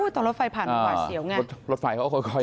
ตอนรถไฟผ่านมันหวัดเสี่ยวไง